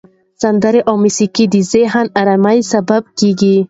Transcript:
سندرې او موسیقي د ذهني آرامۍ سبب دي.